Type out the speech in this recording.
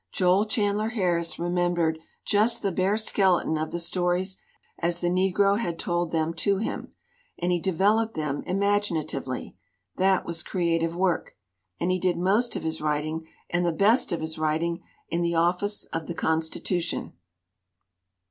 Joel Chandler Harris remembered just the bare skeleton of the stories as the negro had told them to him. And he developed them imagina tively. That was creative work. And he did most of his writing, and the best of his writing, in the office of The Constitution."